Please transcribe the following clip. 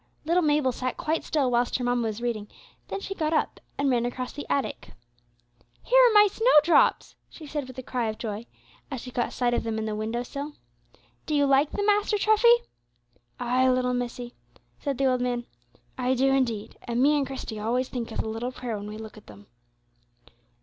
Little Mabel sat quite still whilst her mamma was reading, then she got up, and ran across the attic. "Here are my snowdrops," she said, with a cry of joy, as she caught sight of them in the window sill. "Do you like them, Master Treffy?" "Ay! little missie," said the old man, "I do indeed, and me and Christie always think of the little prayer when we look at them."